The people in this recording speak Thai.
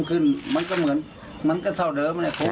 เพราะมันทำกินลำบากกันแล้วเกิน